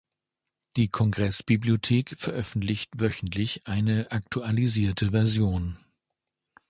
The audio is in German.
Die Kongressbibliothek veröffentlicht wöchentlich eine aktualisierte Version.